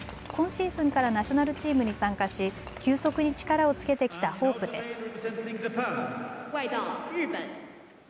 今シーズンからナショナルチームに参加し急速に力をつけてきたホープです。